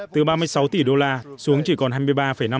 từ ba mươi sáu tỷ đô la xuống chỉ còn hai mươi ba năm